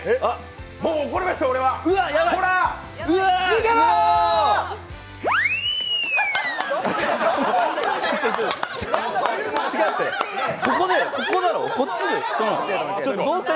もう怒りました、こら！